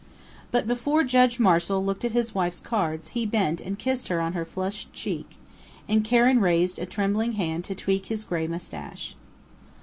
But before Judge Marshall looked at his wife's cards he bent and kissed her on her flushed cheek, and Karen raised a trembling hand to tweak his grey mustache.